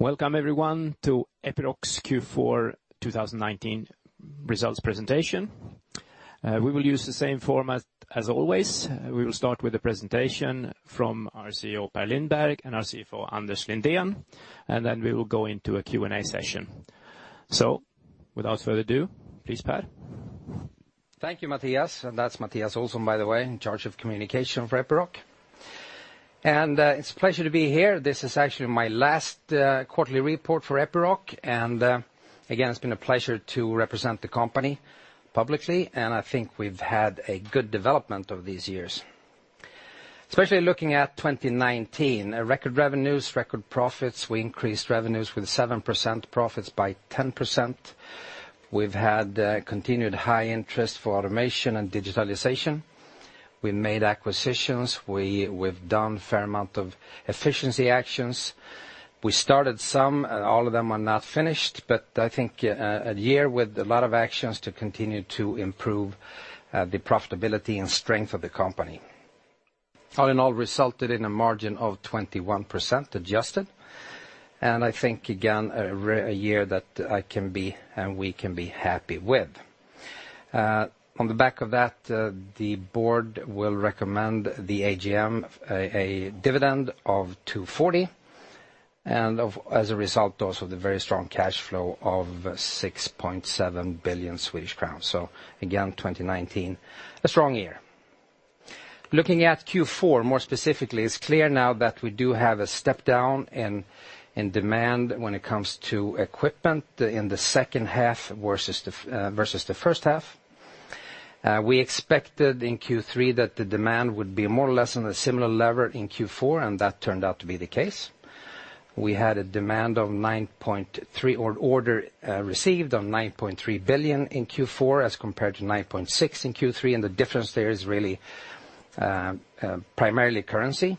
Welcome everyone to Epiroc's Q4 2019 Results Presentation. We will use the same format as always. We will start with a presentation from our CEO, Per Lindberg, and our CFO, Anders Lindén, and then we will go into a Q&A session. Without further ado, please, Per. Thank you, Mattias. That's Mattias Olsson, by the way, in charge of communication for Epiroc. It's a pleasure to be here. This is actually my last quarterly report for Epiroc. Again, it's been a pleasure to represent the company publicly. I think we've had a good development over these years. Especially looking at 2019, record revenues, record profits. We increased revenues with 7%, profits by 10%. We've had continued high interest for automation and digitalization. We made acquisitions. We've done a fair amount of efficiency actions. We started some. All of them are not finished. I think a year with a lot of actions to continue to improve the profitability and strength of the company. All in all resulted in a margin of 21% adjusted. I think, again, a year that I can be, and we can be, happy with. On the back of that, the Board will recommend the AGM a dividend of 2.40, and as a result, also the very strong cash flow of 6.7 billion Swedish crowns. Again, 2019, a strong year. Looking at Q4 more specifically, it's clear now that we do have a step down in demand when it comes to equipment in the second half versus the first half. We expected in Q3 that the demand would be more or less on a similar level in Q4, and that turned out to be the case. We had order received on 9.3 billion in Q4 as compared to 9.6 billion in Q3, and the difference there is really primarily currency.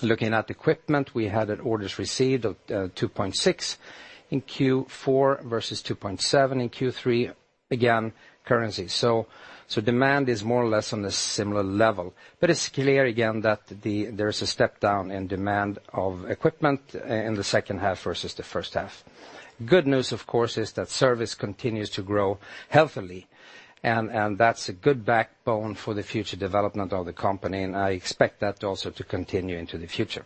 Looking at equipment, we had orders received of 2.6 billion in Q4 versus 2.7 billion in Q3, again currency. Demand is more or less on a similar level, but it's clear again that there's a step down in demand of equipment in the second half versus the first half. Good news, of course, is that service continues to grow healthily, and that's a good backbone for the future development of the company, and I expect that also to continue into the future.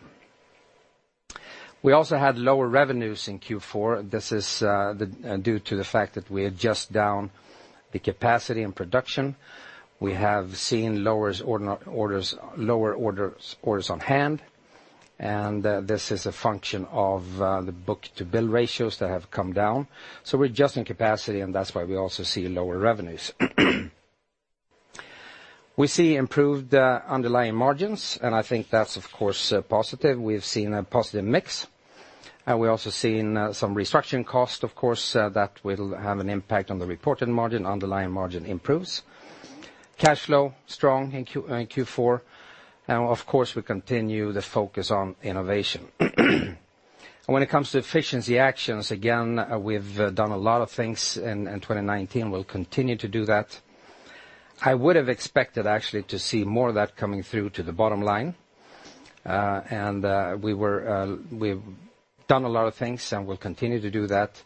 We also had lower revenues in Q4. This is due to the fact that we adjust down the capacity and production. We have seen lower orders on hand, and this is a function of the book-to-bill ratios that have come down. We're adjusting capacity and that's why we also see lower revenues. We see improved underlying margins, and I think that's, of course, positive. We've seen a positive mix, and we're also seeing some restructuring costs, of course, that will have an impact on the reported margin. Underlying margin improves. Cash flow, strong in Q4, and of course, we continue the focus on innovation. When it comes to efficiency actions, again, we've done a lot of things in 2019. We'll continue to do that. I would have expected, actually, to see more of that coming through to the bottom-line. We've done a lot of things, and we'll continue to do that.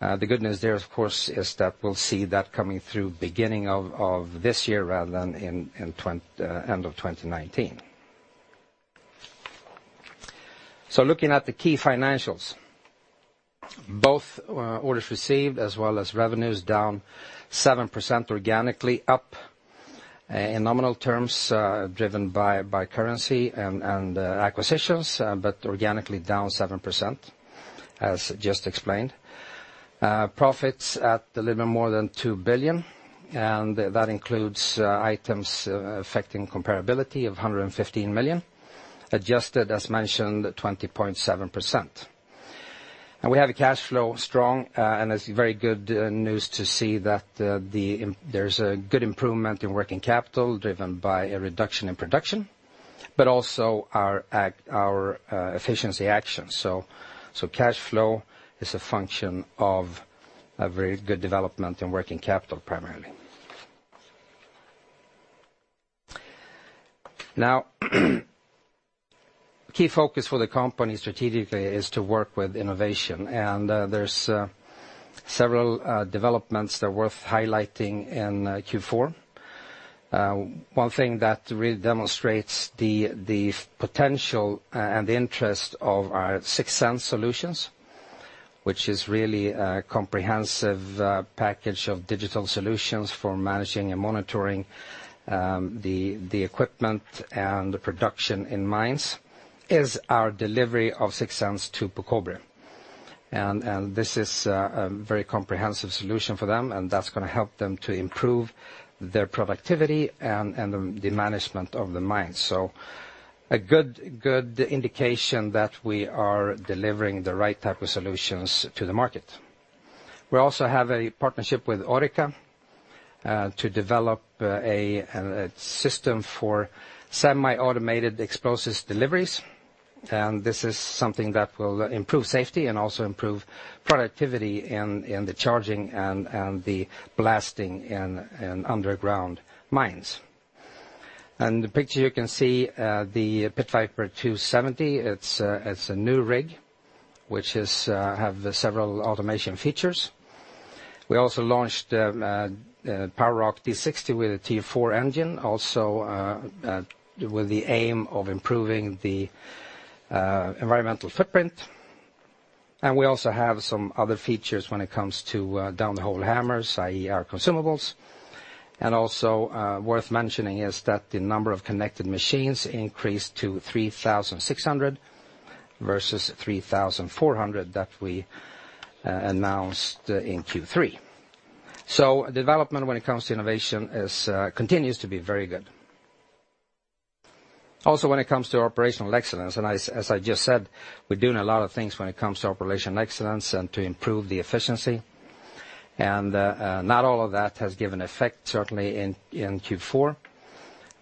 The good news there, of course, is that we'll see that coming through beginning of this year rather than end of 2019. Looking at the key financials. Both orders received as well as revenues down 7% organically. Up in nominal terms, driven by currency and acquisitions, but organically down 7%, as just explained. Profits at a little more than 2 billion, and that includes items affecting comparability of 115 million. Adjusted, as mentioned, 20.7%. We have a cash flow strong, and it's very good news to see that there's a good improvement in working capital driven by a reduction in production, but also our efficiency actions. Cash flow is a function of a very good development in working capital, primarily. Key focus for the company strategically is to work with innovation, and there's several developments that are worth highlighting in Q4. One thing that really demonstrates the potential and the interest of our 6th Sense solutions, which is really a comprehensive package of digital solutions for managing and monitoring the equipment and the production in mines, is our delivery of 6th Sense to Pucobre. This is a very comprehensive solution for them, and that's going to help them to improve their productivity and the management of the mine. A good indication that we are delivering the right type of solutions to the market. We also have a partnership with Orica to develop a system for semi-automated explosives deliveries. This is something that will improve safety and also improve productivity in the charging and the blasting in underground mines. In the picture you can see the Pit Viper 270. It's a new rig, which has several automation features. We also launched PowerROC D60 with a Tier 4 engine, also with the aim of improving the environmental footprint. We also have some other features when it comes to down-the-hole hammers, i.e., our consumables. Also worth mentioning is that the number of connected machines increased to 3,600 versus 3,400 that we announced in Q3. Development when it comes to innovation continues to be very good. Also when it comes to operational excellence, and as I just said, we're doing a lot of things when it comes to operational excellence and to improve the efficiency. Not all of that has given effect, certainly in Q4,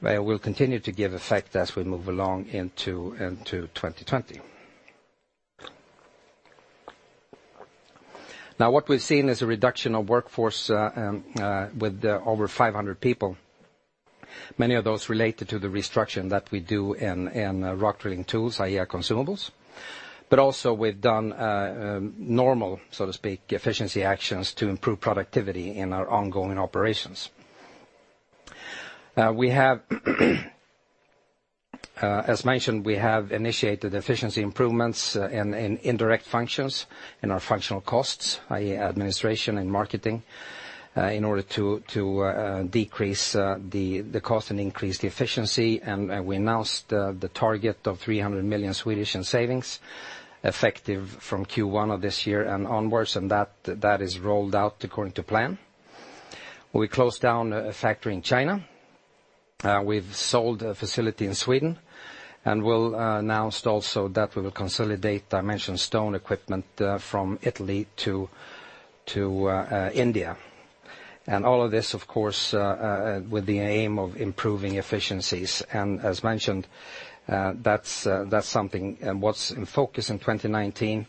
but it will continue to give effect as we move along into 2020. Now what we've seen is a reduction of workforce with over 500 people, many of those related to the restructure that we do in rock drilling tools, i.e., consumables. Also we've done normal, so to speak, efficiency actions to improve productivity in our ongoing operations. As mentioned, we have initiated efficiency improvements in indirect functions in our functional costs, i.e., administration and marketing, in order to decrease the cost and increase the efficiency. We announced the target of 300 million in savings effective from Q1 of this year and onwards, and that is rolled out according to plan. We closed down a factory in China. We've sold a facility in Sweden. We'll announce also that we will consolidate dimension stone equipment from Italy to India. All of this, of course, with the aim of improving efficiencies. As mentioned, that's something what's in focus in 2019.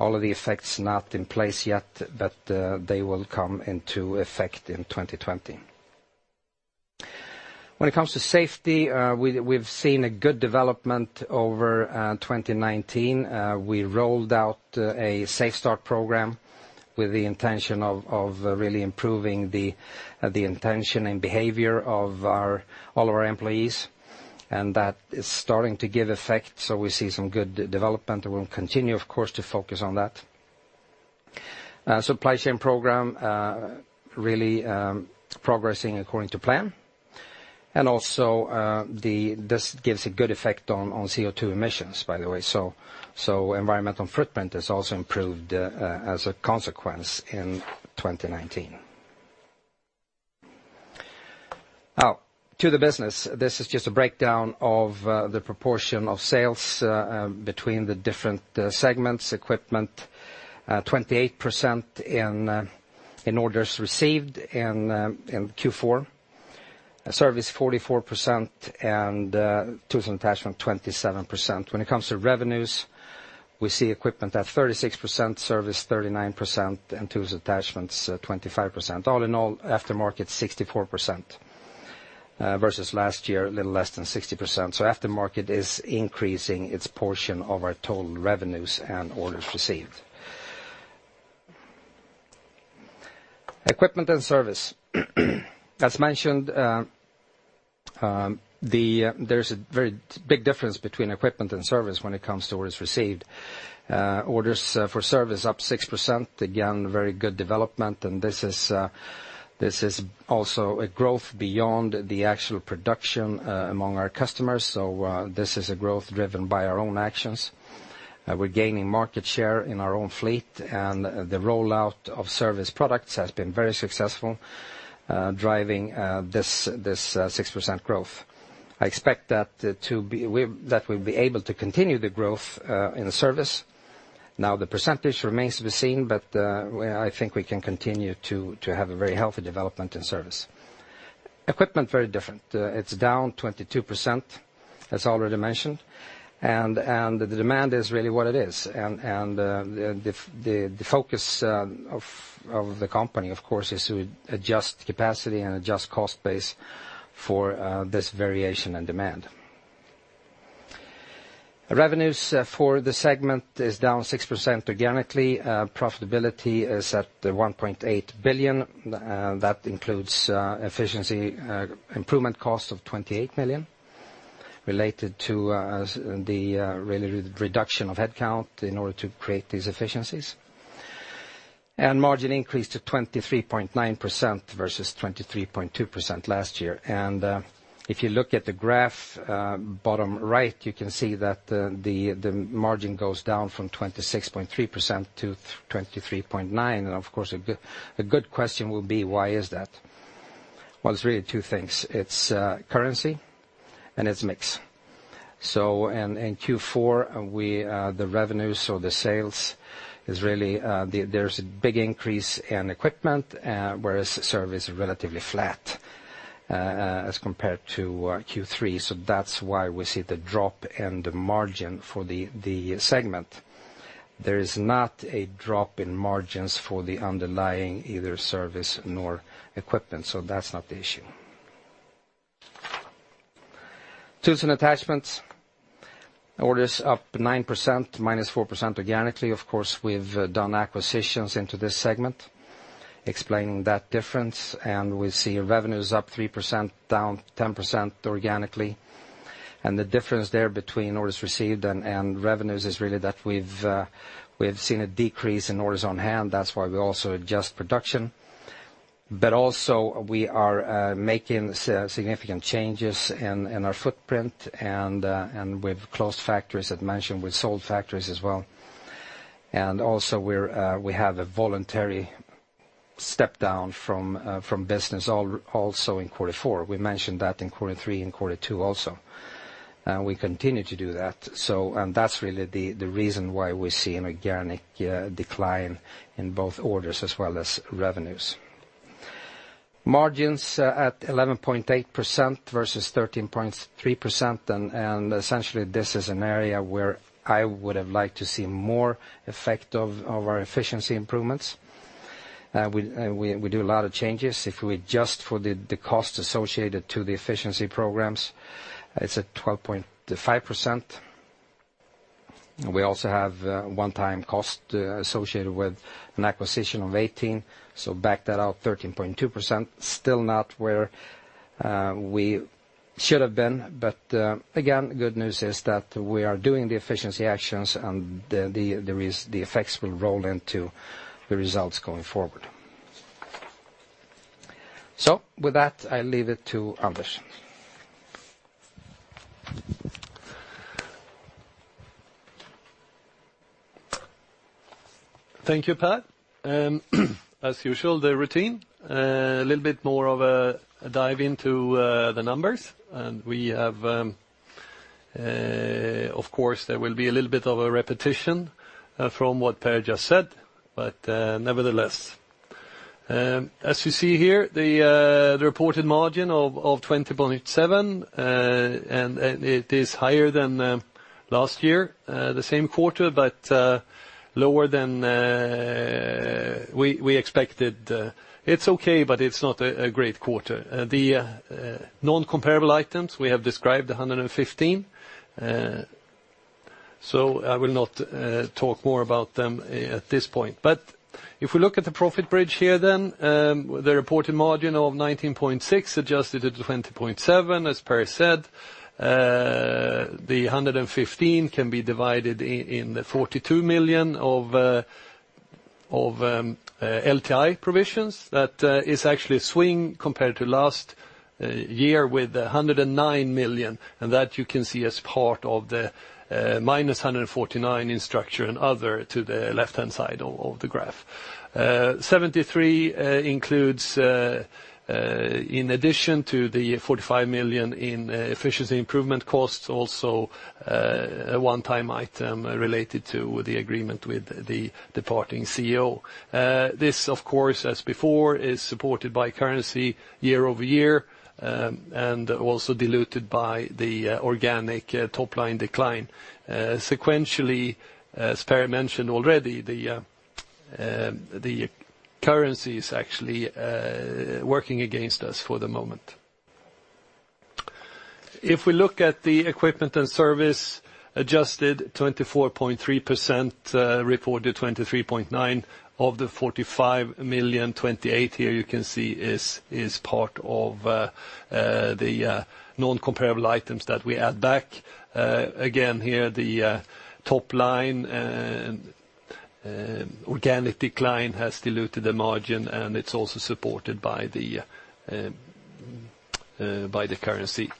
All of the effects not in place yet, but they will come into effect in 2020. When it comes to safety, we've seen a good development over 2019. We rolled out a SafeStart program with the intention of really improving the intention and behavior of all of our employees. That is starting to give effect, so we see some good development, and we'll continue, of course, to focus on that. Supply chain program really progressing according to plan. Also, this gives a good effect on CO2 emissions, by the way. Environmental footprint has also improved as a consequence in 2019. Now, to the business. This is just a breakdown of the proportion of sales between the different segments. Equipment, 28% in orders received in Q4. Service, 44%, and tools and attachment, 27%. When it comes to revenues, we see equipment at 36%, service 39%, and tools attachments 25%. All in all, aftermarket 64% versus last year, a little less than 60%. Aftermarket is increasing its portion of our total revenues and orders received. Equipment and service. As mentioned, there's a very big difference between equipment and service when it comes to orders received. Orders for service up 6%. This is also a growth beyond the actual production among our customers. This is a growth driven by our own actions. We're gaining market share in our own fleet. The rollout of service products has been very successful, driving this 6% growth. I expect that we'll be able to continue the growth in service. The percentage remains to be seen, I think we can continue to have a very healthy development in service. Equipment, very different. It's down 22%, as already mentioned. The demand is really what it is. The focus of the company, of course, is to adjust capacity and adjust cost base for this variation and demand. Revenues for the segment is down 6% organically. Profitability is at 1.8 billion. That includes efficiency improvement cost of 28 million related to the reduction of headcount in order to create these efficiencies. Margin increased to 23.9% versus 23.2% last year. If you look at the graph, bottom right, you can see that the margin goes down from 26.3% to 23.9%. Of course, a good question will be, why is that? Well, it's really two things. It's currency, and it's mix. In Q4, the revenues or the sales, there's a big increase in equipment, whereas service is relatively flat as compared to Q3. That's why we see the drop in the margin for the segment. There is not a drop in margins for the underlying, either service nor equipment. That's not the issue. Tools and attachments. Orders up 9%, -4% organically. Of course, we've done acquisitions into this segment, explaining that difference, and we see revenues up 3%, down 10% organically. The difference there between orders received and revenues is really that we've seen a decrease in orders on hand. That's why we also adjust production. Also we are making significant changes in our footprint and we've closed factories, as mentioned, we've sold factories as well. Also we have a voluntary step down from business also in quarter four. We mentioned that in quarter three and quarter two also. We continue to do that. That's really the reason why we see an organic decline in both orders as well as revenues. Margins at 11.8% versus 13.3%, and essentially this is an area where I would have liked to see more effect of our efficiency improvements. We do a lot of changes. If we adjust for the cost associated to the efficiency programs, it's at 12.5%. We also have a one-time cost associated with an acquisition of 18, so back that out, 13.2%. Still not where we should have been. Again, good news is that we are doing the efficiency actions, and the effects will roll into the results going forward. With that, I leave it to Anders. Thank you, Per. As usual, the routine, a little bit more of a dive into the numbers. Of course, there will be a little bit of a repetition from what Per just said. Nevertheless. As you see here, the reported margin of 20.7%. It is higher than last year, the same quarter, but lower than we expected. It's okay, but it's not a great quarter. The non-comparable items, we have described 115 million. I will not talk more about them at this point. If we look at the profit bridge here, the reported margin of 19.6%, adjusted at 20.7%, as Per said. The 115 million can be divided in the 42 million of LTI provisions. That is actually a swing compared to last year with 109 million, and that you can see as part of the -149 in structure and other to the left-hand side of the graph. 73 includes, in addition to the 45 million in efficiency improvement costs, also a one-time item related to the agreement with the departing CEO. This, of course, as before, is supported by currency year-over-year, and also diluted by the organic top-line decline. Sequentially, as Per mentioned already, the currency is actually working against us for the moment. If we look at the equipment and service, adjusted 24.3%, reported 23.9% of the 45 million. 28 here you can see is part of the non-comparable items that we add back. Again here, the top-line organic decline has diluted the margin, and it is also supported by the currency.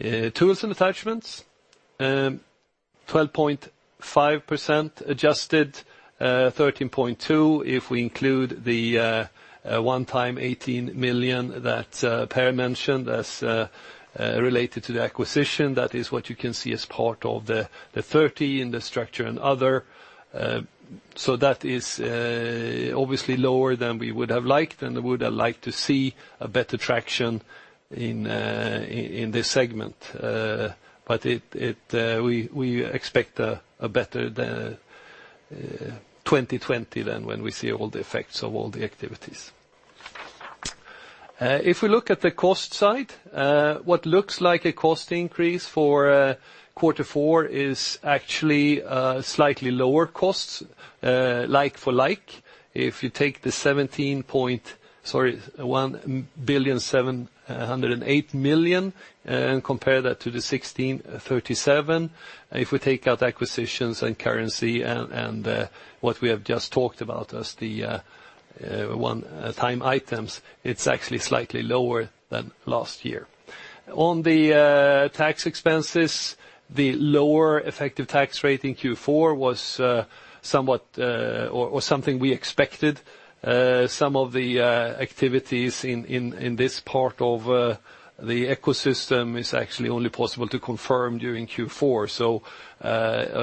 Tools and attachments, 12.5% adjusted. 13.2 if we include the one-time 18 million that Per mentioned as related to the acquisition. That is what you can see as part of the 30 in the structure and other. That is obviously lower than we would have liked, and would have liked to see a better traction in this segment. We expect a better 2020 than when we see all the effects of all the activities. If we look at the cost side, what looks like a cost increase for quarter four is actually slightly lower costs, like-for-like. If you take the 1,708,000,000 and compare that to the 1,637,000,000, if we take out acquisitions and currency and what we have just talked about as the one-time items, it's actually slightly lower than last year. On the tax expenses, the lower effective tax rate in Q4 was something we expected. Some of the activities in this part of the ecosystem is actually only possible to confirm during Q4.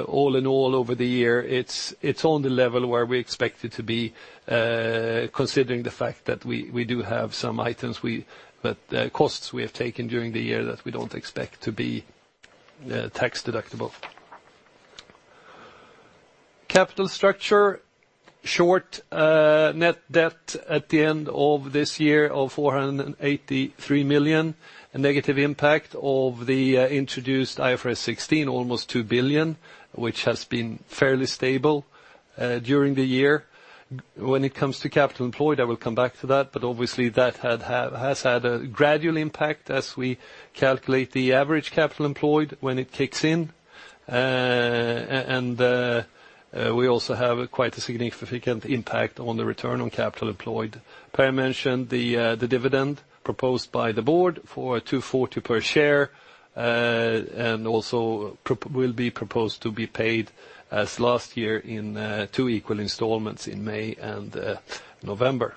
All in all, over the year, it's on the level where we expect it to be, considering the fact that we do have some costs we have taken during the year that we don't expect to be tax-deductible. Capital structure. Short net debt at the end of this year of 483 million. A negative impact of the introduced IFRS 16, almost 2 billion, which has been fairly stable during the year. When it comes to capital employed, I will come back to that, but obviously that has had a gradual impact as we calculate the average capital employed when it kicks in. We also have quite a significant impact on the return on capital employed. Per mentioned the dividend proposed by the Board for 240 per share. Also will be proposed to be paid as last year in two equal installments in May and November.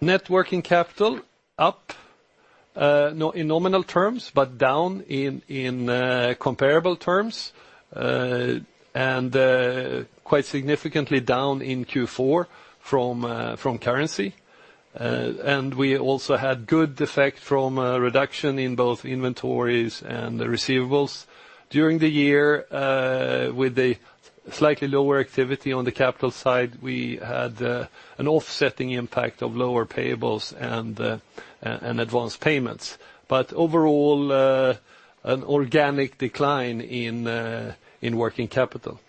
Net working capital up in nominal terms, down in comparable terms. Quite significantly down in Q4 from currency. We also had good effect from a reduction in both inventories and receivables. During the year, with a slightly lower activity on the capital side, we had an offsetting impact of lower payables and advanced payments. Overall, an organic decline in working capital.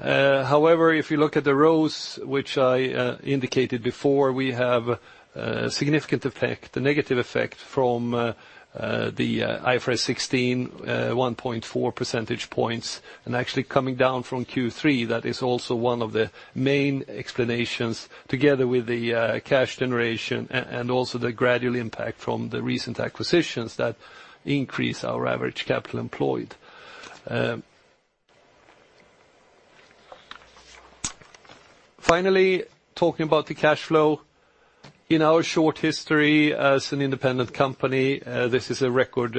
However, if you look at the rows which I indicated before, we have a significant effect, a negative effect from the IFRS 16, 1.4 percentage points. Actually coming down from Q3, that is also one of the main explanations together with the cash generation and also the gradual impact from the recent acquisitions that increase our average capital employed. Finally, talking about the cash flow. In our short history as an independent company, this is a record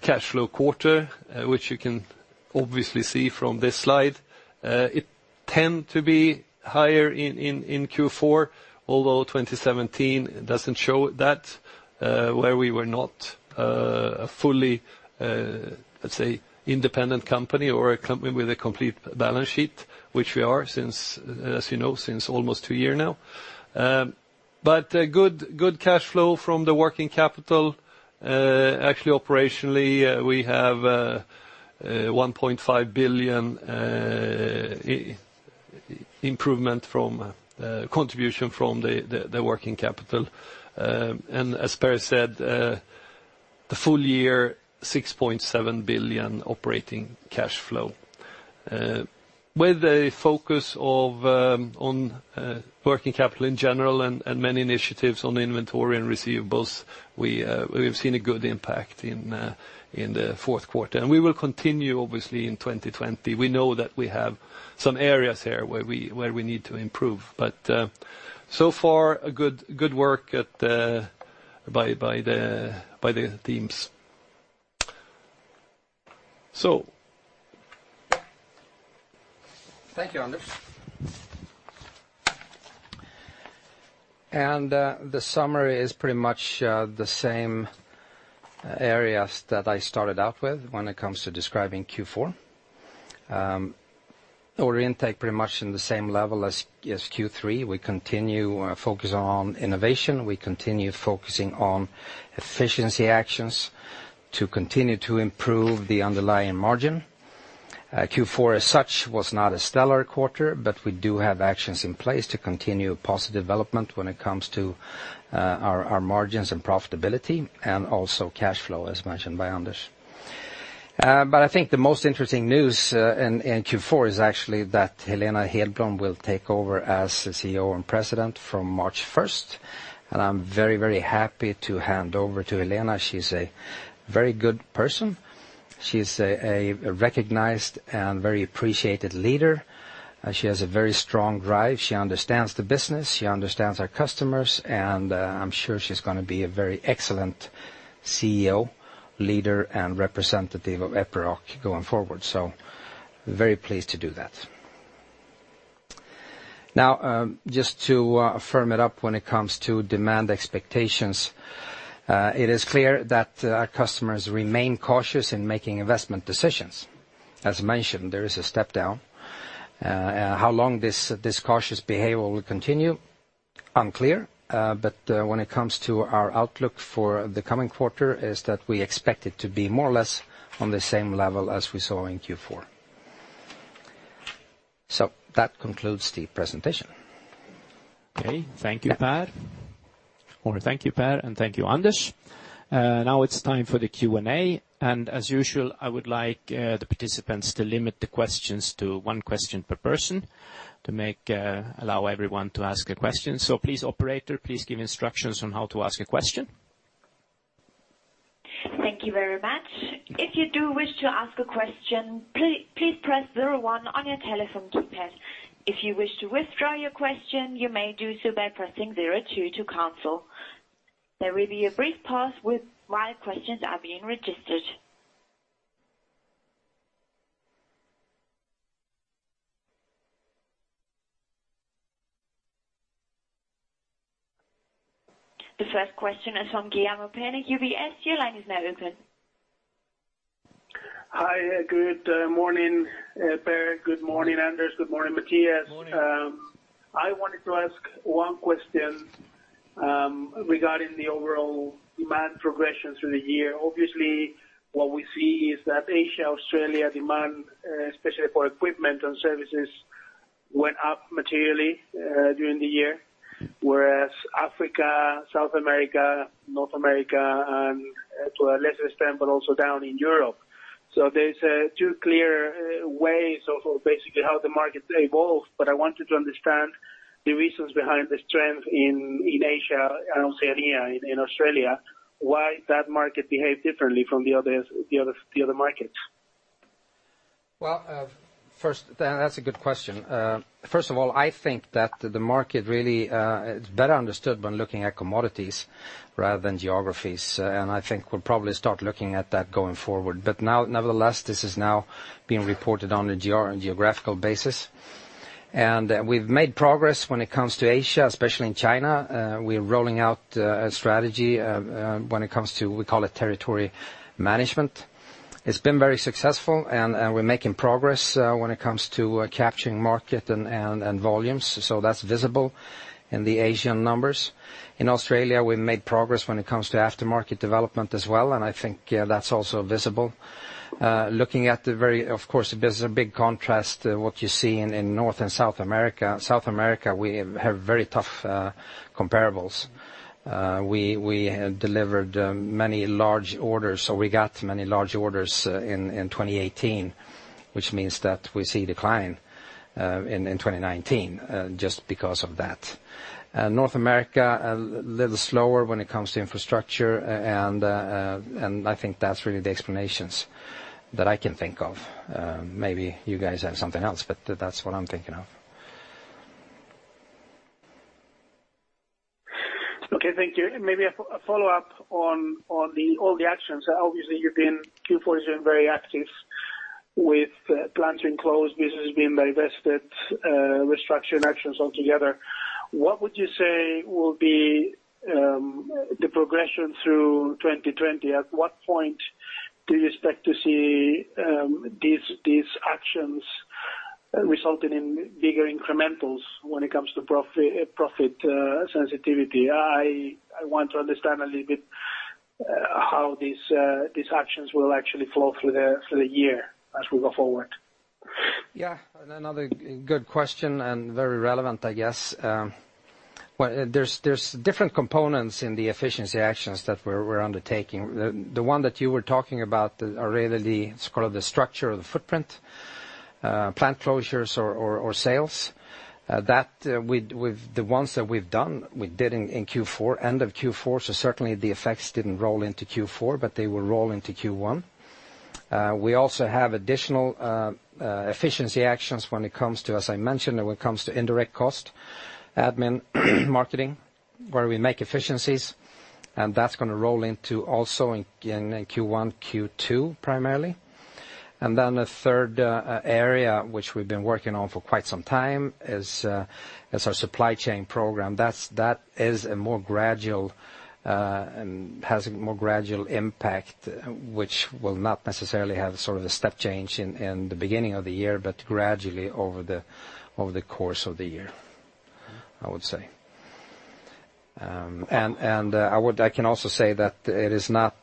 cash flow quarter, which you can obviously see from this slide. It tend to be higher in Q4, although 2017 doesn't show that, where we were not a fully, let's say, independent company or a company with a complete balance sheet, which we are, as you know, since almost two year now. Good cash flow from the working capital. Actually operationally, we have 1.5 billion contribution from the working capital. As Per said, the full-year, SEK 6.7 billion operating cash flow. With the focus on working capital in general and many initiatives on inventory and receivables, we have seen a good impact in the fourth quarter. We will continue obviously in 2020. We know that we have some areas here where we need to improve. So far, a good work by the teams. Thank you, Anders. The summary is pretty much the same areas that I started out with when it comes to describing Q4. Order intake pretty much in the same level as Q3. We continue our focus on innovation. We continue focusing on efficiency actions to continue to improve the underlying margin. Q4 as such was not a stellar quarter, but we do have actions in place to continue positive development when it comes to our margins and profitability and also cash flow, as mentioned by Anders. I think the most interesting news in Q4 is actually that Helena Hedblom will take over as the CEO and President from March 1st. I'm very happy to hand over to Helena. She's a very good person. She's a recognized and very appreciated leader. She has a very strong drive. She understands the business, she understands our customers, and I'm sure she's going to be a very excellent CEO, leader, and representative of Epiroc going forward. Very pleased to do that. Just to firm it up when it comes to demand expectations, it is clear that our customers remain cautious in making investment decisions. As mentioned, there is a step down. How long this cautious behavior will continue is unclear. When it comes to our outlook for the coming quarter is that we expect it to be more or less on the same level as we saw in Q4. That concludes the presentation. Okay. Thank you, Per. Thank you, Per, and thank you, Anders. Now it's time for the Q&A. As usual, I would like the participants to limit the questions to one question per person to allow everyone to ask a question. Please, operator, please give instructions on how to ask a question. Thank you very much. If you do wish to ask a question, please press zero one on your telephone keypad. If you wish to withdraw your question, you may do so by pressing zero two to cancel. There will be a brief pause while questions are being registered. The first question is from Guillermo Peña, UBS. Your line is now open. Hi. Good morning, Per. Good morning, Anders. Good morning, Mattias. Morning. I wanted to ask one question regarding the overall demand progression through the year. Obviously, what we see is that Asia, Australia demand, especially for equipment and services, went up materially during the year, whereas Africa, South America, North America, and to a lesser extent, but also down in Europe. There's two clear ways of basically how the market evolves, I wanted to understand the reasons behind the strength in Asia and Australia, why that market behaved differently from the other markets. Well, that's a good question. First of all, I think that the market really is better understood when looking at commodities rather than geographies. I think we'll probably start looking at that going forward. Now, nevertheless, this is now being reported on a geographical basis. We've made progress when it comes to Asia, especially in China. We're rolling out a strategy when it comes to, we call it territory management. It's been very successful, and we're making progress when it comes to capturing market and volumes. That's visible in the Asian numbers. In Australia, we've made progress when it comes to aftermarket development as well, and I think that's also visible. Of course, there's a big contrast what you see in North and South America. South America, we have very tough comparables. We delivered many large orders. We got many large orders in 2018, which means that we see decline in 2019, just because of that. North America, a little slower when it comes to infrastructure, and I think that's really the explanations that I can think of. Maybe you guys have something else, but that's what I'm thinking of. Okay, thank you. Maybe a follow-up on all the actions. Obviously, you've been, Q4, you've been very active with plants being closed, businesses being divested, restructuring actions altogether. What would you say will be the progression through 2020? At what point do you expect to see these actions resulting in bigger incrementals when it comes to profit sensitivity? I want to understand a little bit how these actions will actually flow through the year as we go forward. Yeah. Another good question, very relevant, I guess. There's different components in the efficiency actions that we're undertaking. The one that you were talking about are really, let's call it the structure of the footprint, plant closures or sales. The ones that we've done, we did in Q4, end of Q4, so certainly the effects didn't roll into Q4, but they will roll into Q1. We also have additional efficiency actions when it comes to, as I mentioned, when it comes to indirect cost, admin, marketing, where we make efficiencies. That's going to roll into also in Q1, Q2, primarily. Then the third area, which we've been working on for quite some time, is our supply chain program. That is a more gradual, has a more gradual impact, which will not necessarily have sort of a step change in the beginning of the year, but gradually over the course of the year, I would say. I can also say that it's not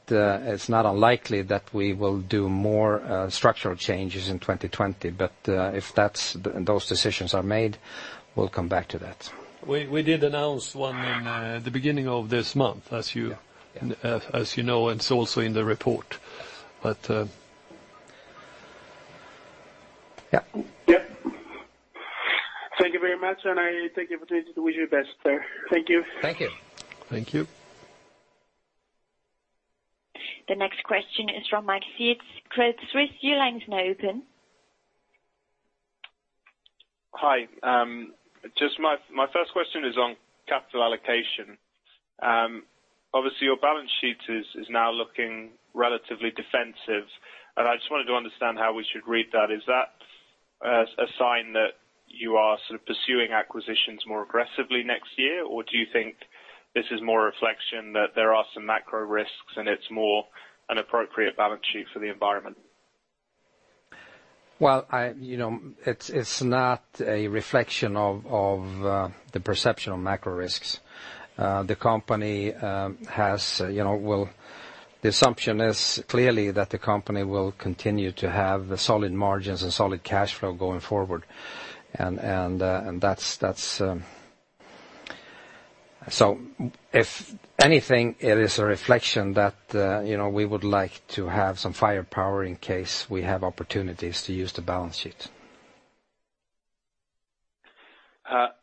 unlikely that we will do more structural changes in 2020, but if those decisions are made, we'll come back to that. We did announce one in the beginning of this month, as you know, and it's also in the report. Yeah. Yep. Thank you very much. I take the opportunity to wish you the best there. Thank you. Thank you. Thank you. The next question is from Max Yates, Credit Suisse. Your line is now open. Hi. Just my first question is on capital allocation. Obviously, your balance sheet is now looking relatively defensive, and I just wanted to understand how we should read that. Is that a sign that you are sort of pursuing acquisitions more aggressively next year? Do you think this is more a reflection that there are some macro risks and it's more an appropriate balance sheet for the environment? Well, it's not a reflection of the perception of macro risks. Well, the assumption is clearly that the company will continue to have solid margins and solid cash flow going forward. If anything, it is a reflection that we would like to have some firepower in case we have opportunities to use the balance sheet.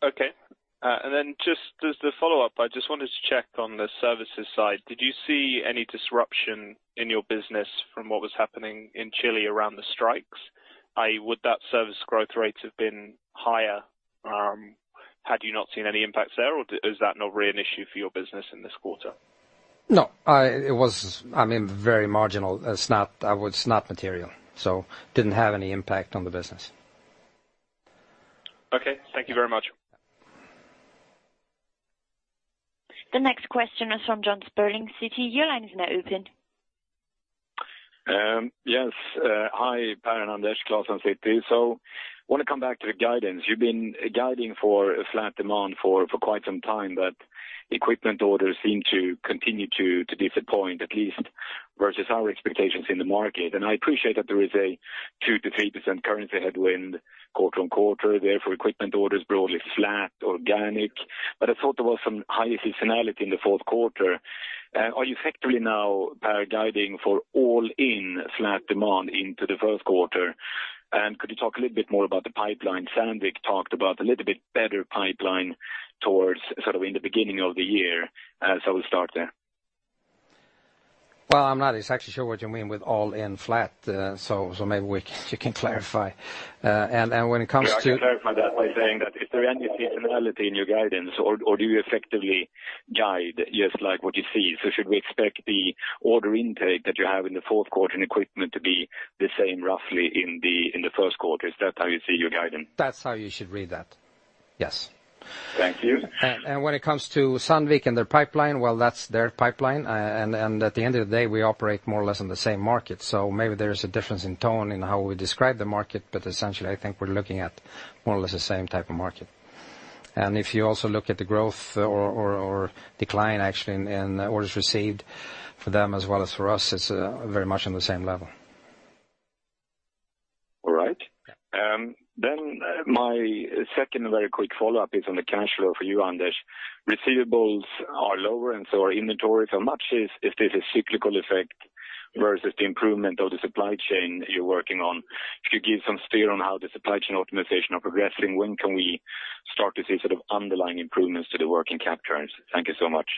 Okay. Just as the follow-up, I just wanted to check on the services side. Did you see any disruption in your business from what was happening in Chile around the strikes? i.e., would that service growth rate have been higher had you not seen any impacts there, or is that not really an issue for your business in this quarter? No. It was very marginal. It was not material, so didn't have any impact on the business. Okay, thank you very much. The next question is from John Spurling, Citi. Your line is now open. Yes. Hi, Per and Anders, Klas from Citi. Want to come back to the guidance. You've been guiding for a flat demand for quite some time, but equipment orders seem to continue to disappoint, at least versus our expectations in the market. I appreciate that there is a 2%-3% currency headwind quarter-on-quarter, therefore equipment orders broadly flat organic. I thought there was some higher seasonality in the fourth quarter. Are you effectively now, Per, guiding for all-in flat demand into the first quarter? Could you talk a little bit more about the pipeline? Sandvik talked about a little bit better pipeline towards, sort of in the beginning of the year, so we'll start there. Well, I'm not exactly sure what you mean with all in flat, so maybe you can clarify. Yeah, I can clarify that by saying that is there any seasonality in your guidance or do you effectively guide just like what you see? Should we expect the order intake that you have in the fourth quarter and equipment to be the same roughly in the first quarter? Is that how you see your guidance? That's how you should read that. Yes. Thank you. When it comes to Sandvik and their pipeline, well, that's their pipeline. At the end of the day, we operate more or less on the same market. Maybe there is a difference in tone in how we describe the market, but essentially I think we're looking at more or less the same type of market. If you also look at the growth or decline actually in orders received for them as well as for us, it's very much on the same level. My second very quick follow-up is on the cash flow for you, Anders. Receivables are lower and so are inventory. Much is if there's a cyclical effect versus the improvement of the supply chain you're working on. Could you give some steer on how the supply chain optimization are progressing? When can we start to see sort of underlying improvements to the working cap trends? Thank you so much.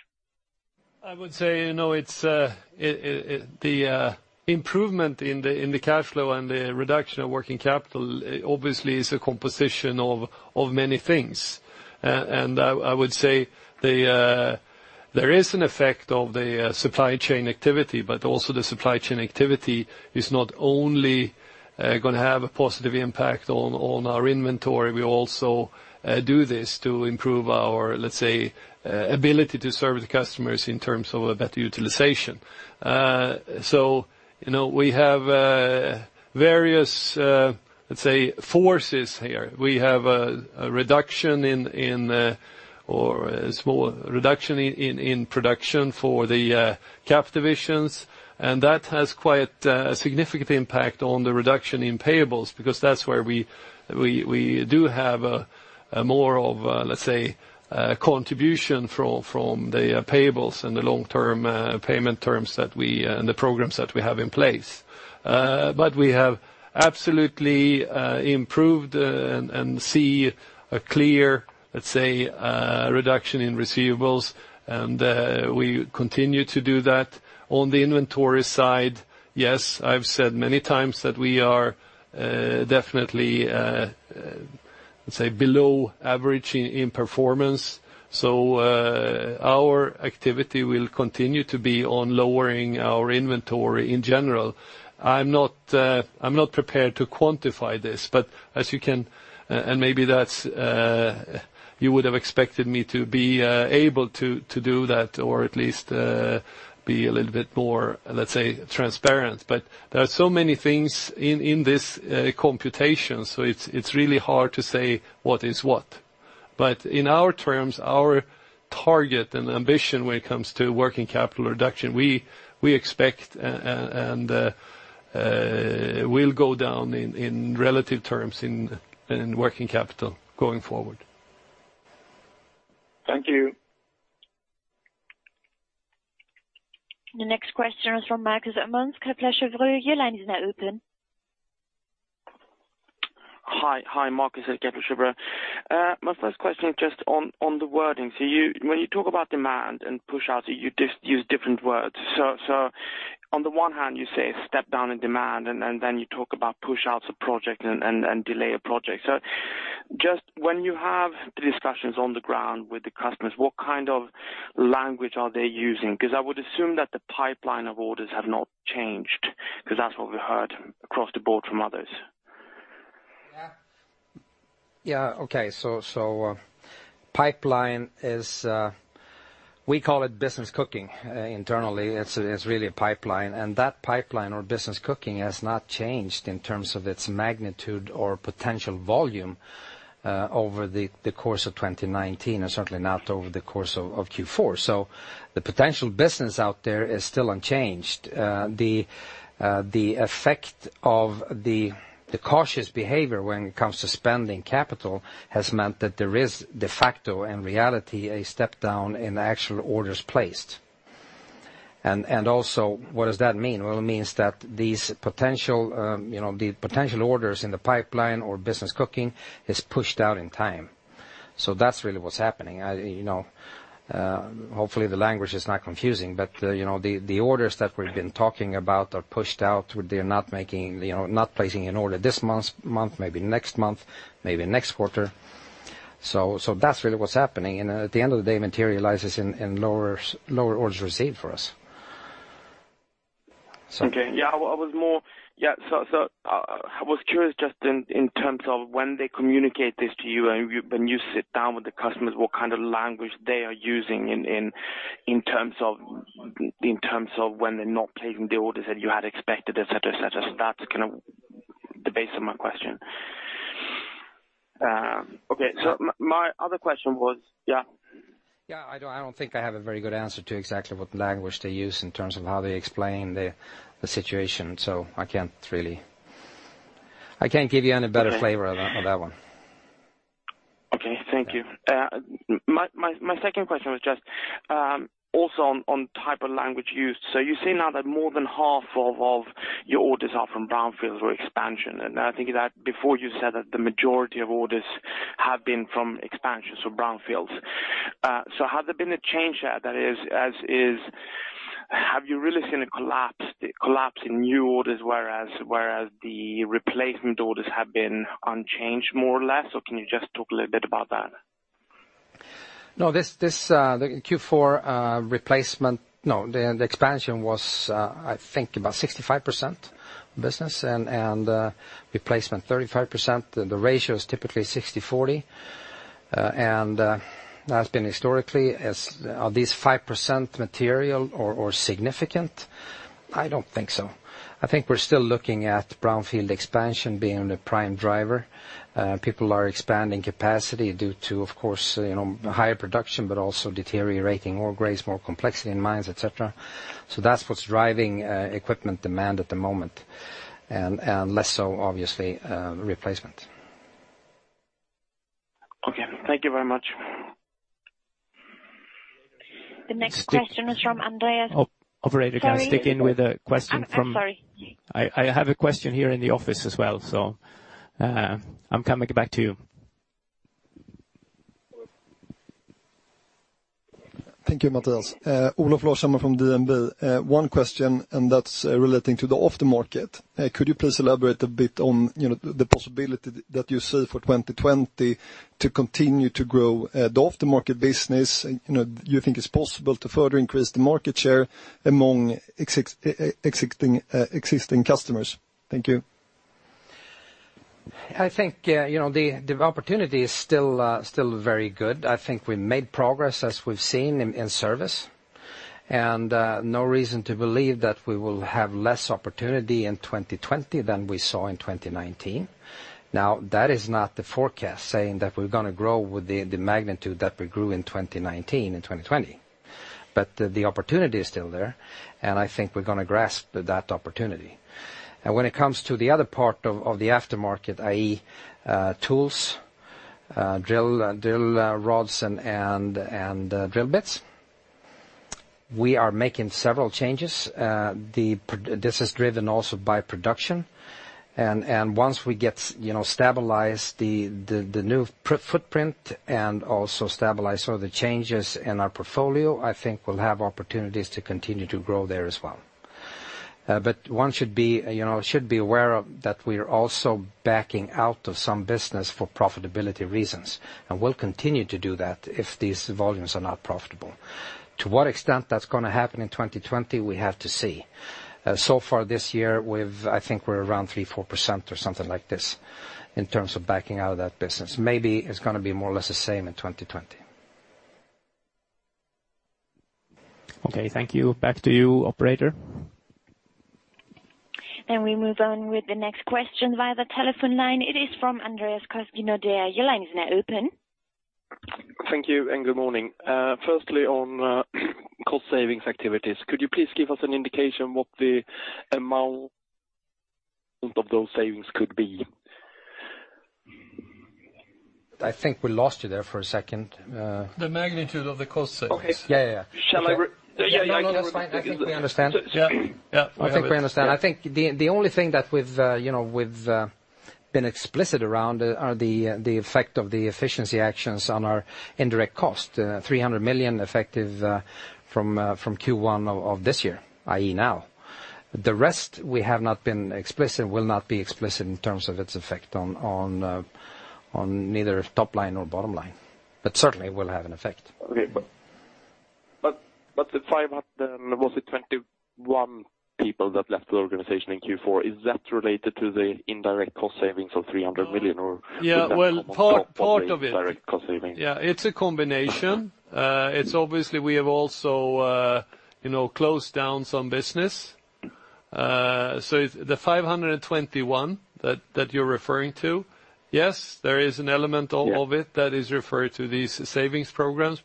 I would say, the improvement in the cash flow and the reduction of working capital obviously is a composition of many things. I would say there is an effect of the supply chain activity, but also the supply chain activity is not only going to have a positive impact on our inventory, we also do this to improve our, let's say, ability to serve the customers in terms of a better utilization. We have various, let's say, forces here. We have a reduction in, or a small reduction in production for the cap divisions, that has quite a significant impact on the reduction in payables because that's where we do have a more of a, let's say, a contribution from the payables and the long-term payment terms and the programs that we have in place. We have absolutely improved and see a clear, let's say, reduction in receivables, and we continue to do that. On the inventory side, yes, I've said many times that we are definitely, let's say, below average in performance. Our activity will continue to be on lowering our inventory in general. I'm not prepared to quantify this, and maybe you would have expected me to be able to do that or at least be a little bit more, let's say, transparent, but there are so many things in this computation, so it's really hard to say what is what. In our terms, our target and ambition when it comes to working capital reduction, we expect and will go down in relative terms in working capital going forward. Thank you. The next question is from [Marcus Erman], Kepler Cheuvreux. Your line is now open. Hi, Marcus at Kepler Cheuvreux. My first question is just on the wording. When you talk about demand and push out, you use different words. On the one hand you say a step down in demand, and then you talk about push out a project and delay a project. Just when you have the discussions on the ground with the customers, what kind of language are they using? Because I would assume that the pipeline of orders have not changed, because that's what we heard across the board from others. Yeah. Okay. Pipeline is, we call it business cooking, internally. It's really a pipeline. That pipeline or business cooking has not changed in terms of its magnitude or potential volume, over the course of 2019, and certainly not over the course of Q4. The potential business out there is still unchanged. The effect of the cautious behavior when it comes to spending capital has meant that there is de facto, in reality, a step down in actual orders placed. Also, what does that mean? Well, it means that the potential orders in the pipeline or business cooking is pushed out in time. That's really what's happening. Hopefully the language is not confusing, the orders that we've been talking about are pushed out. They're not placing an order this month, maybe next month, maybe next quarter. That's really what's happening, and at the end of the day, materializes in lower orders received for us. Okay. Yeah, I was curious just in terms of when they communicate this to you and when you sit down with the customers, what kind of language they are using in terms of when they're not placing the orders that you had expected, et cetera. That's kind of the base of my question. Okay. My other question was, yeah? Yeah, I don't think I have a very good answer to exactly what language they use in terms of how they explain the situation. I can't give you any better flavor of that one. Okay. Thank you. My second question was just also on type of language used. You say now that more than half of your orders are from brownfields or expansion, and I think that before you said that the majority of orders have been from expansions or brownfields. Has there been a change there? That is, have you really seen a collapse in new orders, whereas the replacement orders have been unchanged more or less? Can you just talk a little bit about that? No, the Q4 replacement, no, the expansion was I think about 65% business and replacement 35%. The ratio is typically 60/40. That's been historically. Are these 5% material or significant? I don't think so. I think we're still looking at brownfield expansion being the prime driver. People are expanding capacity due to, of course, higher production, but also deteriorating ore grades, more complexity in mines, et cetera. That's what's driving equipment demand at the moment, and less so obviously replacement. Okay. Thank you very much. The next question is from Andreas. Operator, can I stick in with a question? I'm sorry. I have a question here in the office as well. I'm coming back to you. Thank you, Mattias. Olof Larshammar from [Danske Bank]. One question. That's relating to the aftermarket. Could you please elaborate a bit on the possibility that you see for 2020 to continue to grow the aftermarket business? You think it's possible to further increase the market share among existing customers? Thank you. I think the opportunity is still very good. I think we made progress as we've seen in service. No reason to believe that we will have less opportunity in 2020 than we saw in 2019. Now, that is not the forecast saying that we're going to grow with the magnitude that we grew in 2019, in 2020. The opportunity is still there, and I think we're going to grasp that opportunity. When it comes to the other part of the aftermarket, i.e., tools, drill rods and drill bits, we are making several changes. This is driven also by production. Once we get stabilized the new footprint and also stabilize all the changes in our portfolio, I think we'll have opportunities to continue to grow there as well. One should be aware of that we are also backing out of some business for profitability reasons, and will continue to do that if these volumes are not profitable. To what extent that's going to happen in 2020, we have to see. Far this year, I think we're around 3%, 4% or something like this in terms of backing out of that business. Maybe it's going to be more or less the same in 2020. Okay, thank you. Back to you, operator. We move on with the next question via the telephone line. It is from Andreas Koski, Nordea. Your line is now open. Thank you and good morning. Firstly, on cost savings activities. Could you please give us an indication what the amount of those savings could be? I think we lost you there for a second. The magnitude of the cost savings. Okay. Yeah. Shall I repeat? No, that's fine. I think we understand. Yeah. I think we understand. I think the only thing that we've been explicit around are the effect of the efficiency actions on our indirect cost, 300 million effective from Q1 of this year, i.e., now. The rest we have not been explicit, will not be explicit in terms of its effect on neither top-line nor bottom-line. Certainly will have an effect. Okay. The 500, was it 21 people that left the organization in Q4? Is that related to the indirect cost savings of 300 million? Yeah, well, part of it. Direct cost savings. It's a combination. It's obviously we have also closed down some business. The 521 that you're referring to, yes, there is an element of it that is referred to these savings programs.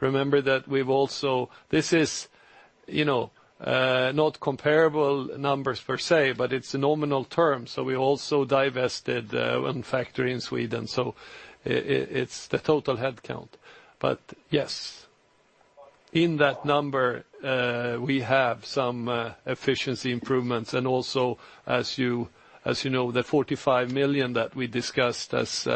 Remember that we've also. This is not comparable numbers per se, but it's nominal terms. We also divested one factory in Sweden. It's the total headcount. Yes, in that number, we have some efficiency improvements, and also as you know, the 45 million that we discussed as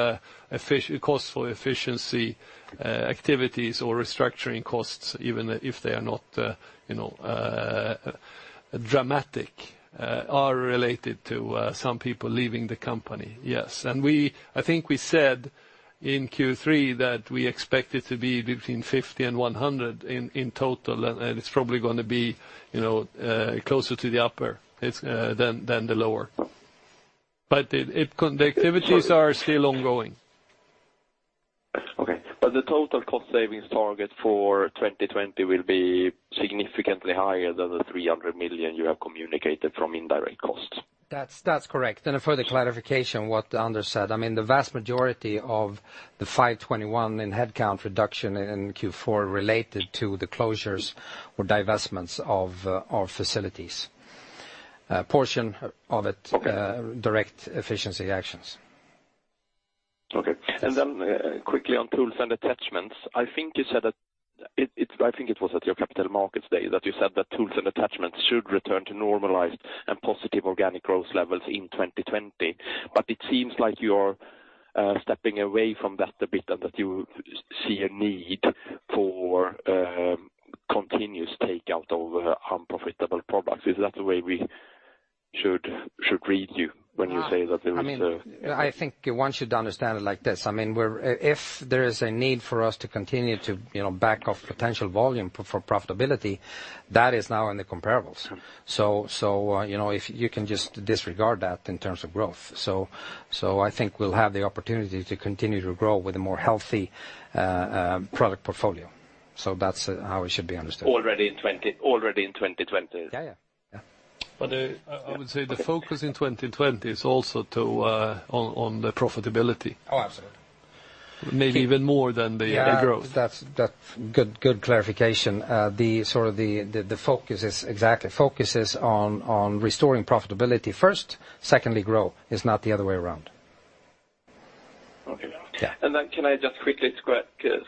cost for efficiency activities or restructuring costs, even if they are not dramatic, are related to some people leaving the company. Yes. I think we said in Q3 that we expect it to be between 50 and 100 in total, and it's probably going to be closer to the upper than the lower. The activities are still ongoing. Okay. The total cost savings target for 2020 will be significantly higher than the 300 million you have communicated from indirect costs? That's correct. A further clarification what Anders said. The vast majority of the 521 in headcount reduction in Q4 related to the closures or divestments of facilities direct efficiency actions. Okay. Quickly on tools and attachments. I think it was at your Capital Markets Day that you said that tools and attachments should return to normalized and positive organic growth levels in 2020. It seems like you're stepping away from that a bit, and that you see a need for continuous takeout of unprofitable products. Is that the way we should read you when you say that there is? I think one should understand it like this. If there is a need for us to continue to back off potential volume for profitability, that is now in the comparables. You can just disregard that in terms of growth. I think we'll have the opportunity to continue to grow with a more healthy product portfolio. That's how it should be understood. Already in 2020? Yeah. I would say the focus in 2020 is also on the profitability. Oh, absolutely. Maybe even more than the growth. Yeah. Good clarification. Exactly. Focus is on restoring profitability first, secondly, grow. It's not the other way around. Okay. Yeah. Can I just quickly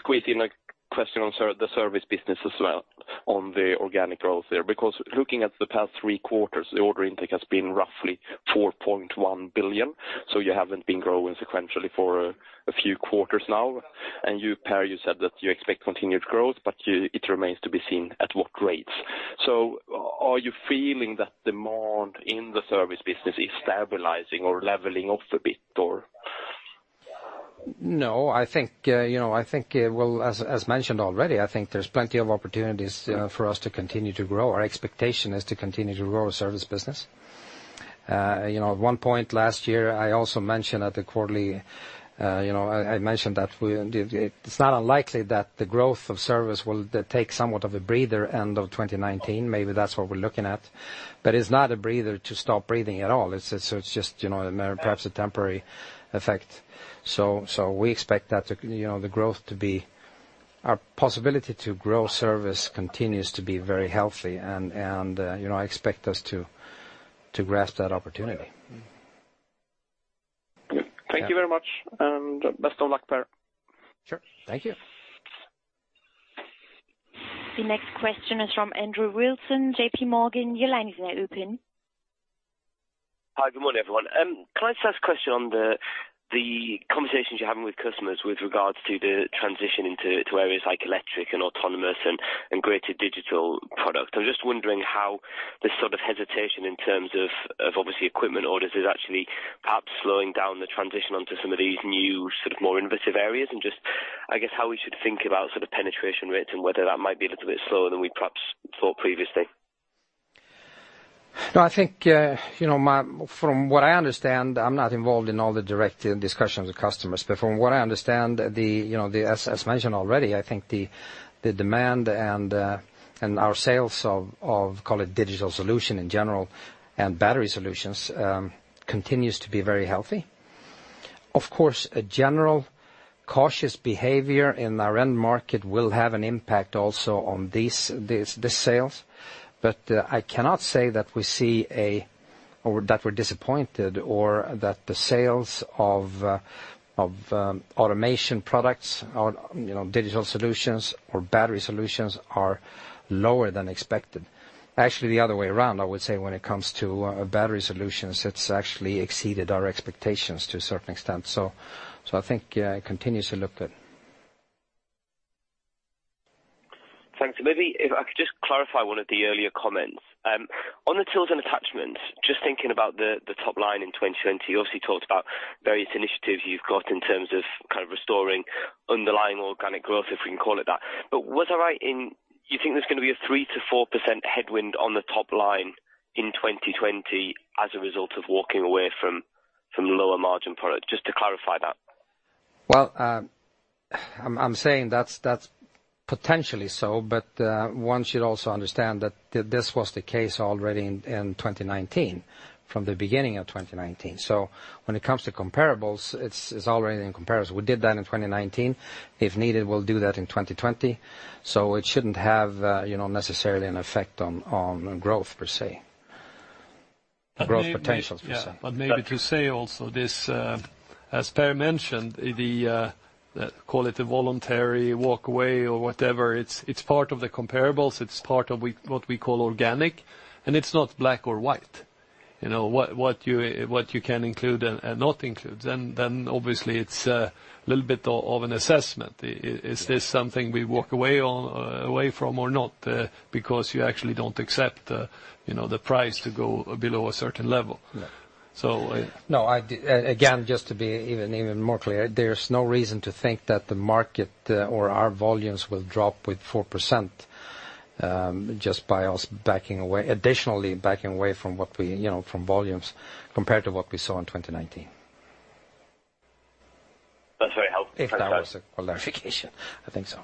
squeeze in a question on the service business as well, on the organic growth there? Looking at the past three quarters, the order intake has been roughly 4.1 billion. You haven't been growing sequentially for a few quarters now. You, Per, you said that you expect continued growth, but it remains to be seen at what rates. Are you feeling that demand in the service business is stabilizing or leveling off a bit, or? No. As mentioned already, I think there's plenty of opportunities for us to continue to grow. Our expectation is to continue to grow our service business. At one point last year, I also mentioned at the quarterly that it's not unlikely that the growth of service will take somewhat of a breather end of 2019. Maybe that's what we're looking at. It's not a breather to stop breathing at all. It's just perhaps a temporary effect. We expect our possibility to grow service continues to be very healthy, and I expect us to grasp that opportunity. Okay. Thank you very much, and best of luck, Per. Sure. Thank you. The next question is from Andrew Wilson, JPMorgan. Your line is now open. Hi, good morning, everyone. Can I just ask a question on the conversations you're having with customers with regards to the transition into areas like electric and autonomous and greater digital products? I'm just wondering how this sort of hesitation in terms of, obviously, equipment orders is actually perhaps slowing down the transition onto some of these new, more innovative areas, and just, I guess, how we should think about sort of penetration rates and whether that might be a little bit slower than we perhaps thought previously. From what I understand, I'm not involved in all the direct discussions with customers. From what I understand, as mentioned already, I think the demand and our sales of call it digital solution in general and battery solutions, continues to be very healthy. Of course, a general cautious behavior in our end market will have an impact also on these sales. I cannot say that we're disappointed or that the sales of automation products, digital solutions or battery solutions are lower than expected. The other way around, I would say, when it comes to battery solutions, it's actually exceeded our expectations to a certain extent. I think it continues to look good. Thanks. Maybe if I could just clarify one of the earlier comments. On the tools and attachments, just thinking about the top-line in 2020, you obviously talked about various initiatives you've got in terms of restoring underlying organic growth, if we can call it that. Was I right in, you think there's going to be a 3%-4% headwind on the top-line in 2020 as a result of walking away from lower margin products? Just to clarify that. Well, I'm saying that's potentially so, one should also understand that this was the case already in 2019, from the beginning of 2019. When it comes to comparables, it's already in comparison. We did that in 2019. If needed, we'll do that in 2020. It shouldn't have necessarily an effect on growth per se, growth potential, per se. Maybe to say also this, as Per mentioned, call it a voluntary walk away or whatever, it's part of the comparables, it's part of what we call organic, and it's not black or white. You know what you can include and not include, then obviously it's a little bit of an assessment. Is this something we walk away from or not? Because you actually don't accept the price to go below a certain level. Yes. No, again, just to be even more clear, there is no reason to think that the market or our volumes will drop with 4% just by us additionally backing away from volumes, compared to what we saw in 2019. That's very helpful. Thanks, Per. If that was a clarification. I think so.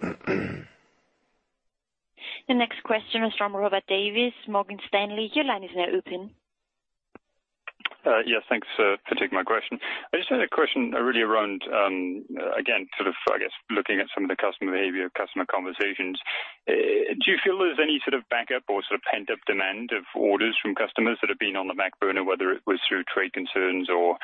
Yep. The next question is from Robert Davies, Morgan Stanley. Your line is now open. Yes, thanks for taking my question. I just had a question really around, again, sort of, I guess, looking at some of the customer behavior, customer conversations. Do you feel there's any sort of backup or sort of pent-up demand of orders from customers that have been on the back burner, whether it was through trade concerns or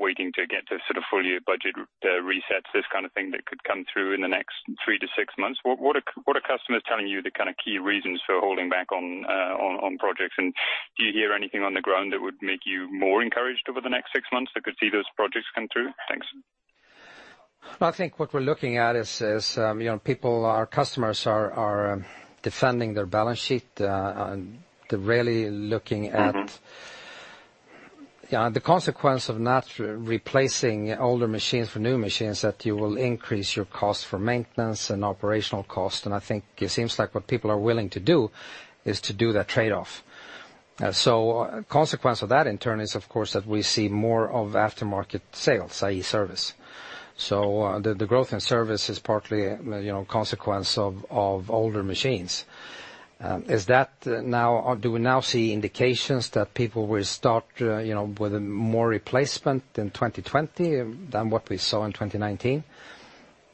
waiting to get to sort of full-year budget resets, this kind of thing that could come through in the next three to six months? What are customers telling you the kind of key reasons for holding back on projects? Do you hear anything on the ground that would make you more encouraged over the next six months that could see those projects come through? Thanks. I think what we're looking at is, people, our customers are defending their balance sheet. They're really looking at. The consequence of not replacing older machines for new machines, that you will increase your cost for maintenance and operational cost. I think it seems like what people are willing to do is to do that trade-off. Consequence of that in turn is of course, that we see more of aftermarket sales, i.e. service. The growth in service is partly a consequence of older machines. Do we now see indications that people will start with more replacement in 2020 than what we saw in 2019?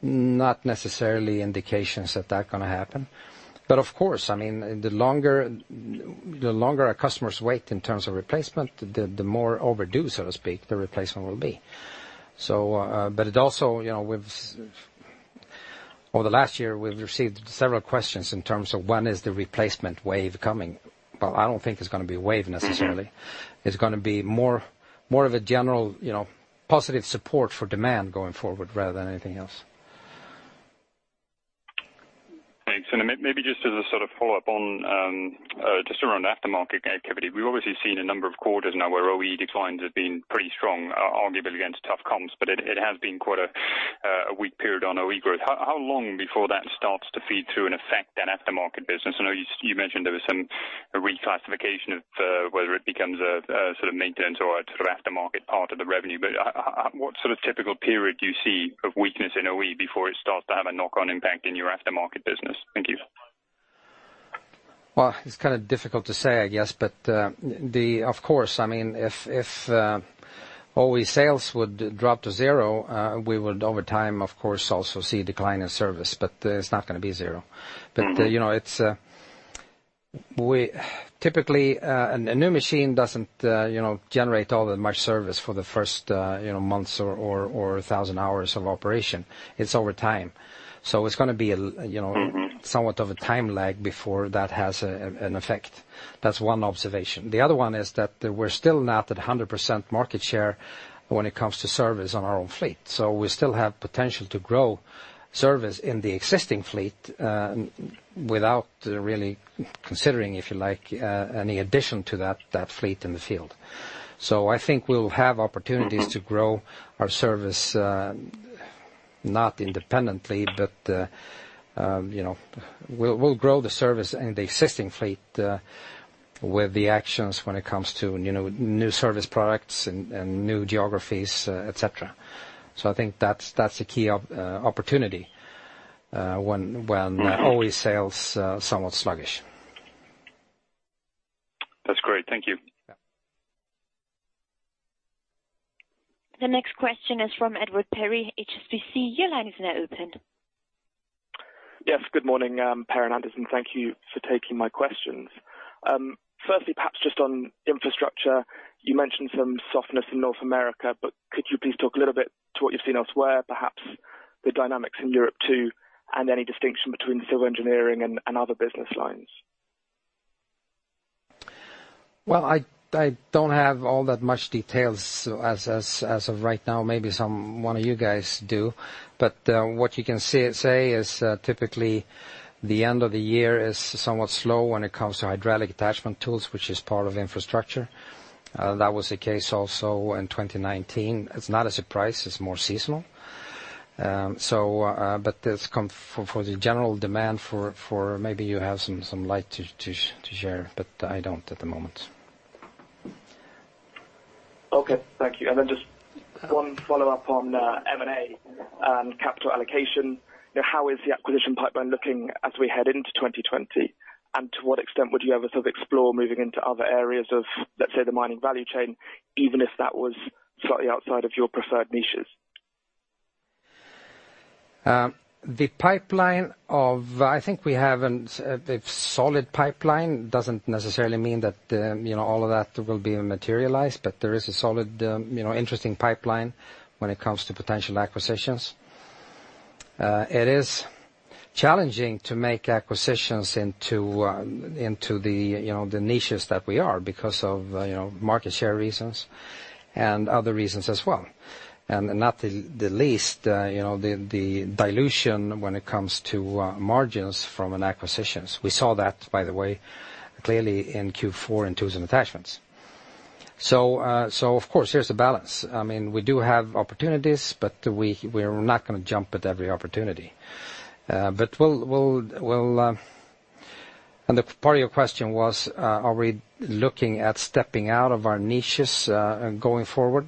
Not necessarily indications that going to happen, of course, I mean, the longer our customers wait in terms of replacement, the more overdue, so to speak, the replacement will be. It also, over the last year we've received several questions in terms of when is the replacement wave coming. I don't think it's going to be a wave necessarily. It's going to be more of a general positive support for demand going forward rather than anything else. Thanks. Maybe just as a sort of follow-up on, just around aftermarket activity. We've obviously seen a number of quarters now where OE declines have been pretty strong, arguably against tough comps, but it has been quite a weak period on OE growth. How long before that starts to feed through and affect an aftermarket business? I know you mentioned there was a reclassification of whether it becomes a sort of maintenance or a sort of aftermarket part of the revenue, but what sort of typical period do you see of weakness in OE before it starts to have a knock-on impact in your aftermarket business? Thank you. Well, it's kind of difficult to say, I guess, but of course, I mean, if OE sales would drop to zero, we would over time, of course, also see a decline in service, but it's not going to be zero. Typically, a new machine doesn't generate all that much service for the first months or 1,000 hours of operation. It's over time. Somewhat of a time lag before that has an effect. That's one observation. The other one is that we're still not at 100% market share when it comes to service on our own fleet. We still have potential to grow service in the existing fleet, without really considering, if you like, any addition to that fleet in the field. I think we'll have opportunities to grow our service, not independently, but we'll grow the service in the existing fleet, with the actions when it comes to new service products and new geographies, et cetera. I think that's a key opportunity, when OE sales are somewhat sluggish. That's great. Thank you. Yeah. The next question is from Edward Perry, HSBC. Your line is now open. Yes, good morning, Per and Anders, thank you for taking my questions. Firstly, perhaps just on infrastructure, you mentioned some softness in North America, but could you please talk a little bit to what you've seen elsewhere, perhaps the dynamics in Europe too, and any distinction between civil engineering and other business lines? I don't have all that much details as of right now. Maybe someone of you guys do, what you can say is, typically the end of the year is somewhat slow when it comes to hydraulic attachment tools, which is part of infrastructure. That was the case also in 2019. It's not a surprise, it's more seasonal. This come for the general demand for, maybe you have some light to share, but I don't at the moment. Okay. Thank you. Just one follow-up on M&A and capital allocation. How is the acquisition pipeline looking as we head into 2020, to what extent would you ever sort of explore moving into other areas of, let's say, the mining value chain, even if that was slightly outside of your preferred niches? I think we have a solid pipeline. Doesn't necessarily mean that all of that will be materialized, but there is a solid, interesting pipeline when it comes to potential acquisitions. It is challenging to make acquisitions into the niches that we are because of market share reasons and other reasons as well. Not the least, the dilution when it comes to margins from an acquisition. We saw that, by the way, clearly in Q4 in Tools and Attachments. Of course, there's a balance. We do have opportunities, but we're not going to jump at every opportunity. The part of your question was, are we looking at stepping out of our niches going forward?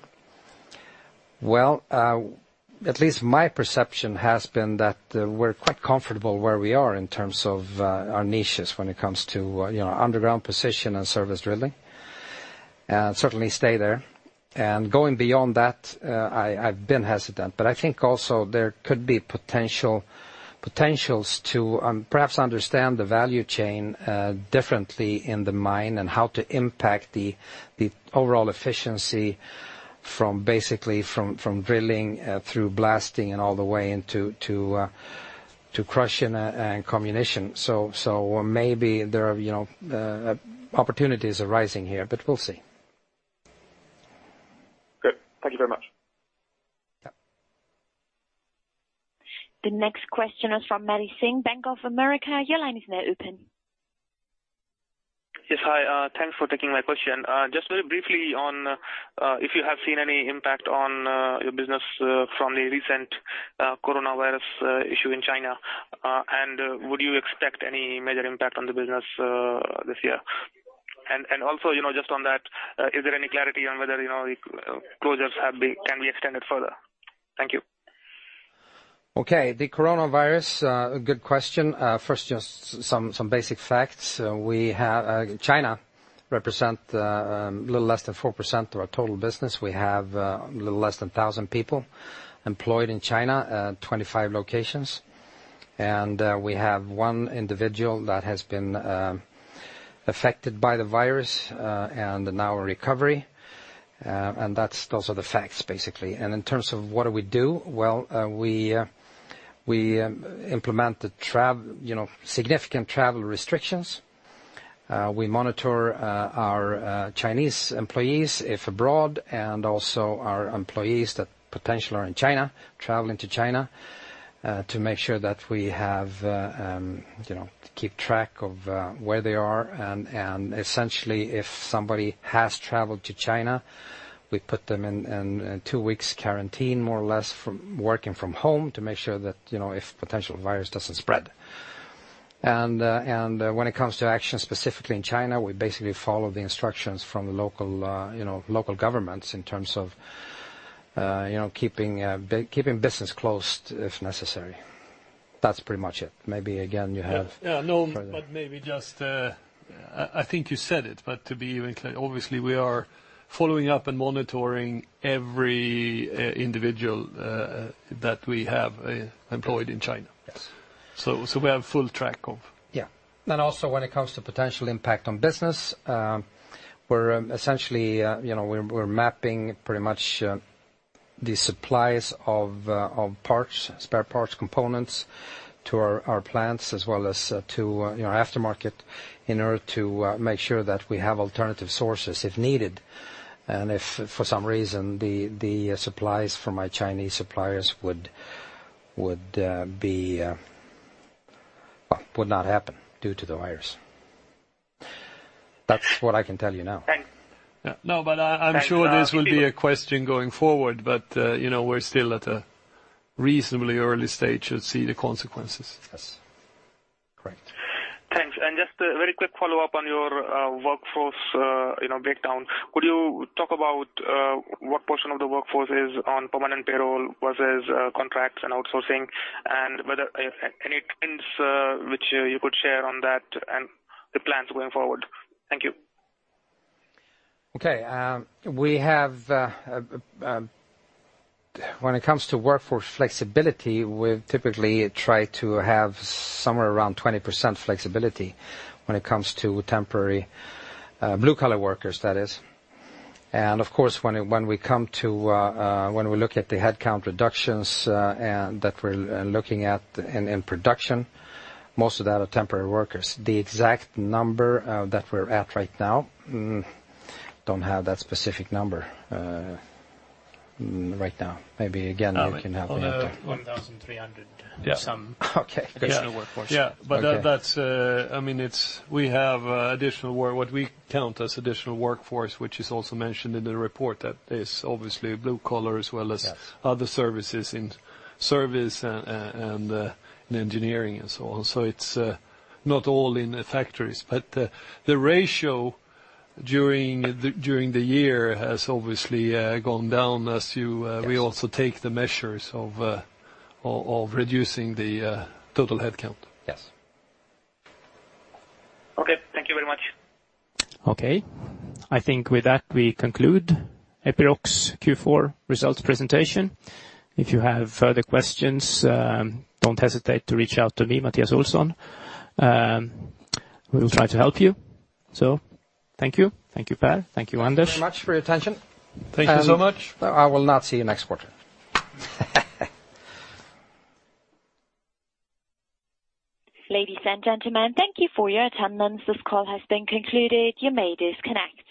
Well, at least my perception has been that we're quite comfortable where we are in terms of our niches when it comes to underground position and service drilling, and certainly stay there. Going beyond that, I've been hesitant. I think also there could be potentials to perhaps understand the value chain differently in the mine and how to impact the overall efficiency from basically from drilling through blasting and all the way into crushing and comminution. Maybe there are opportunities arising here, but we'll see. Good. Thank you very much. Yeah. The next question is from Maddy Singh, Bank of America. Your line is now open. Yes. Hi. Thanks for taking my question. Just very briefly on if you have seen any impact on your business from the recent coronavirus issue in China, and would you expect any major impact on the business this year? Also, just on that, is there any clarity on whether closures can be extended further? Thank you. Okay. The coronavirus, a good question. First, just some basic facts. China represent a little less than 4% of our total business. We have a little less than 1,000 people employed in China at 25 locations. We have one individual that has been affected by the virus, and now in recovery. Those are the facts, basically. In terms of what do we do, well, we implement significant travel restrictions. We monitor our Chinese employees if abroad, and also our employees that potential are in China, traveling to China, to make sure that we keep track of where they are. Essentially, if somebody has traveled to China, we put them in two weeks quarantine, more or less, from working from home to make sure that if potential virus doesn't spread. When it comes to action, specifically in China, we basically follow the instructions from local governments in terms of keeping business closed if necessary. That's pretty much it. Yeah, no, maybe just, I think you said it, but to be even clear, obviously, we are following up and monitoring every individual that we have employed in China. Yes. We have full track of. Yeah. Also when it comes to potential impact on business, we're mapping pretty much the supplies of spare parts components to our plants as well as to aftermarket in order to make sure that we have alternative sources if needed, and if for some reason the supplies from my Chinese suppliers would not happen due to the virus. That's what I can tell you now. Thanks. I'm sure this will be a question going forward, but we're still at a reasonably early stage to see the consequences. Yes. Correct. Thanks. Just a very quick follow-up on your workforce breakdown. Could you talk about what portion of the workforce is on permanent payroll versus contracts and outsourcing, and whether any trends which you could share on that and the plans going forward? Thank you. Okay. When it comes to workforce flexibility, we typically try to have somewhere around 20% flexibility when it comes to temporary blue-collar workers, that is. Of course, when we look at the headcount reductions that we're looking at in production, most of that are temporary workers. The exact number that we're at right now, don't have that specific number right now. Maybe, again, we can have that. 1,300. Yeah. Some. Okay. Additional workforce. Yeah. Okay. We have what we count as additional workforce, which is also mentioned in the report that is obviously blue-collar as well. Other services in service and engineering and so on. It's not all in factories. The ratio during the year has obviously gone down as we also take the measures of reducing the total headcount. Yes. Okay. Thank you very much. Okay. I think with that, we conclude Epiroc's Q4 Results Presentation. If you have further questions, don't hesitate to reach out to me, Mattias Olsson. We'll try to help you. Thank you. Thank you, Per. Thank you, Anders. Thank you very much for your attention. Thank you so much. I will not see you next quarter. Ladies and gentlemen, thank you for your attendance. This call has been concluded. You may disconnect.